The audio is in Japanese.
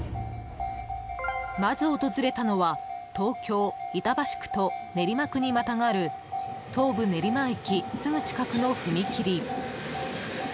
まず訪れたのは東京・板橋区と練馬区にまたがる東武練馬駅すぐ近くの踏切。